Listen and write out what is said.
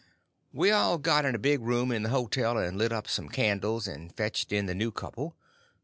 We all got in a big room in the hotel, and lit up some candles, and fetched in the new couple.